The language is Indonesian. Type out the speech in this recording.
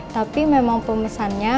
tapi memang pemesannya